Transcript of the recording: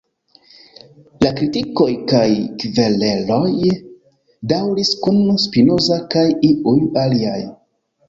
La kritikoj, kaj kvereloj, daŭris kun Spinoza kaj iuj aliaj.